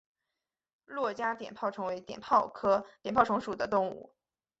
珞珈碘泡虫为碘泡科碘泡虫属的动物。